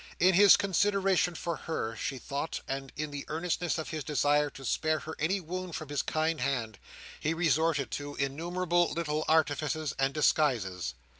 In his consideration for her, she thought, and in the earnestness of his desire to spare her any wound from his kind hand, he resorted to innumerable little artifices and disguises.